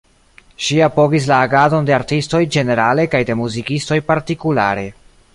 Ŝi apogis la agadon de artistoj ĝenerale kaj de muzikistoj partikulare.